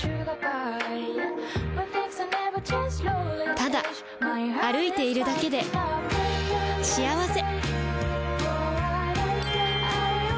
ただ歩いているだけで幸せ